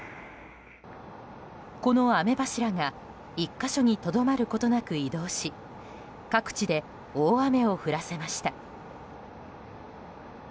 この雨柱が１か所にとどまることなく移動し各地で大雨を降らせました。